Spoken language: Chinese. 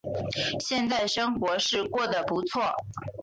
现在生活是过得不错